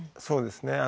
そうですね。